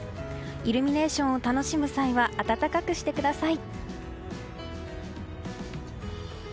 イルミネーションを楽しむ際は暖かくしてください。